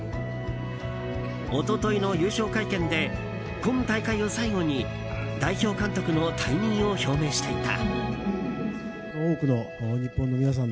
一昨日の優勝会見で今大会を最後に代表監督の退任を表明していた。